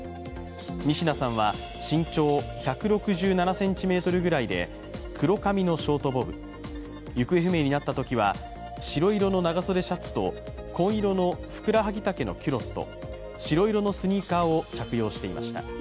仁科さんは身長１６７ｃｍぐらいで黒髪のショートボブ、行方不明になったときは、白色の長袖シャツと紺色のふくらはぎ丈のキュロット白色のスニーカーを着用していました。